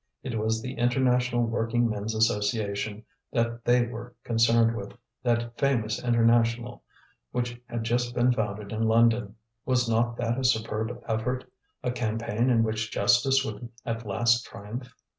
It was the International Working Men's Association that they were concerned with, that famous International which had just been founded in London. Was not that a superb effort, a campaign in which justice would at last triumph?